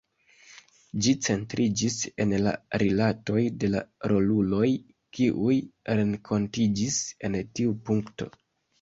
Ĝi centriĝis en la rilatoj de la roluloj, kiuj renkontiĝis en tiu punkto.